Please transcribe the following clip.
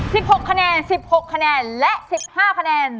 หกคะแนนสิบหกคะแนนและสิบห้าคะแนน